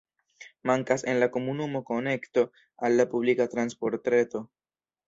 Mankas en la komunumo konekto al la publika transportreto.